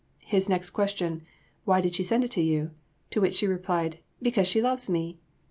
His next question, "Why did she send it to you?" To which she replied, "Because she loves me!"